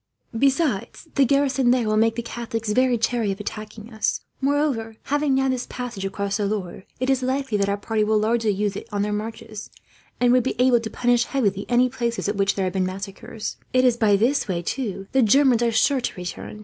Besides, the garrison there will make the Catholics very chary of attacking us. Moreover, having now this passage across the Loire it is likely that our party will largely use it on their marches, and would be able to punish heavily any places at which there had been massacres. It is by this way, too, the Germans are sure to return.